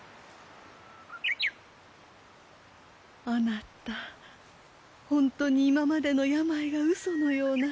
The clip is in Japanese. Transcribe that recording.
あなた本当に今までの病がうそのような。